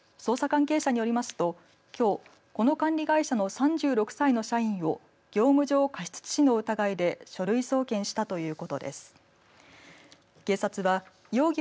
警察はこうした対応が事故につながったと見ていて捜査関係者によりますと、きょうこの管理会社の３６歳の社員を業務上過失致死の疑いで書類送検したということです。